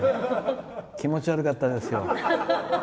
気持ち悪かったですよ。